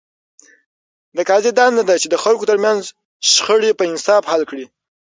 د قاضي دنده ده، چي د خلکو ترمنځ شخړي په انصاف حل کړي.